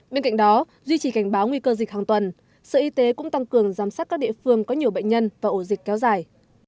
bên cạnh đó duy trì cảnh báo nguy cơ dịch hàng tuần sở y tế cũng tăng cường giám sát các địa phương có nhiều bệnh nhân và ổ dịch kéo dài